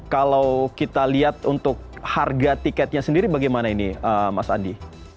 kalau kita lihat untuk harga tiketnya sendiri bagaimana ini mas adi